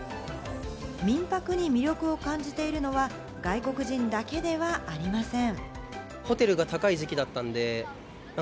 民泊に魅力を感じているのは、外国人だけではありません。